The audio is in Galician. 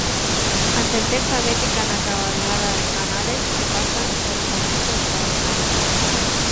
A sentenza bética na cabalgada de Canales que pasa por un momento extraordinario.